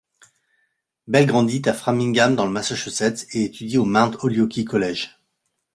Bell grandit à Framingham dans le Massachusetts et étudie au Mount Holyoke College.